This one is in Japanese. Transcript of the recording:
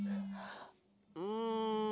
うん。